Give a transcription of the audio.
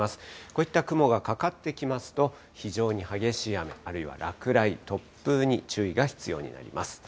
こういった雲がかかってきますと、非常に激しい雨、あるいは落雷、突風に注意が必要になります。